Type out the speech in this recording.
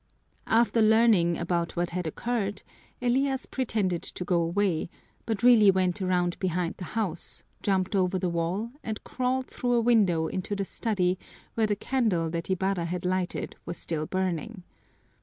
After learning about what had occurred Elias pretended to go away, but really went around behind the house, jumped over the wall, and crawled through a window into the study where the candle that Ibarra had lighted was still burning.